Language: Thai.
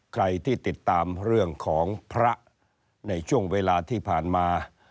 ใครที่ติดตามเรื่องของพระในช่วงเวลาที่ผ่านมา